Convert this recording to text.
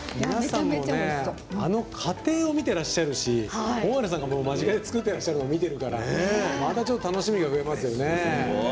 あの過程を見てらっしゃいますし大原さんが間近で作るのも見てるからまたちょっと楽しみが増えますよね。